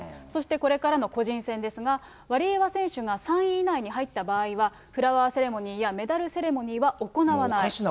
そしてこれからの個人戦ですが、ワリエワ選手が３位以内に入った場合は、フラワーセレモニーやメダルセレモニーは行わない。